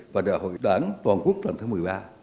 và đại hội đảng toàn quốc lần thứ một mươi ba